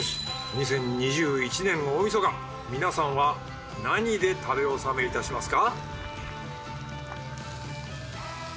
２０２１年大晦日皆さんは何で食べ納めいたしますか？